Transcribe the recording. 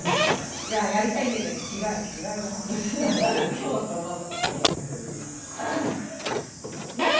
今日はこのまま。